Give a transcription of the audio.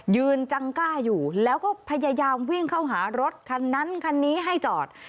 ยืนจังกล้าอยู่แล้วก็พยายามวิ่งเข้าหารถคันนั้นคันนี้ให้จอด